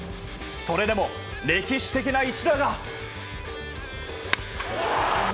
それでも、歴史的な一打が。